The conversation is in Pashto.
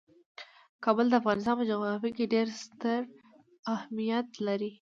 کابل د افغانستان په جغرافیه کې ډیر ستر اهمیت لري.